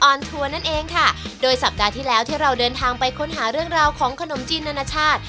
ทัวร์นั่นเองค่ะโดยสัปดาห์ที่แล้วที่เราเดินทางไปค้นหาเรื่องราวของขนมจีนนานาชาติ